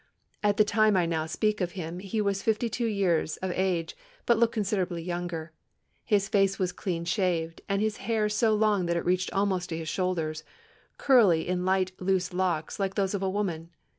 At the time I now speak of him he was fifty two years of age, but looked considerably younger. His face was clean shaved, and his hair so long that it reached almost to his shoulders, curly in light loose locks like those of a woman.